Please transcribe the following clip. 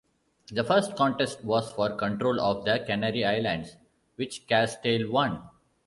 The first contest was for control of the Canary Islands, which Castile won.